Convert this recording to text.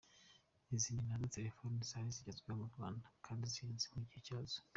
Izi na zo ni telefone zari zigezweho mu Rwanda, kandi zihenze mu gihe cyazo.